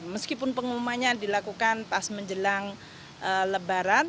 meskipun pengumumannya dilakukan pas menjelang lebaran